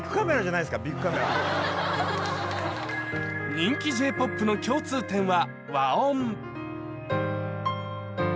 人気 Ｊ−ＰＯＰ の共通点は